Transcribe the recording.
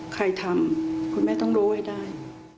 ใครทำคุณแม่ต้องรู้ให้ได้